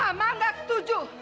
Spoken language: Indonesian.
mama gak setuju